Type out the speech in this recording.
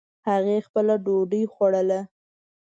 هغې خپله ډوډۍ خوړله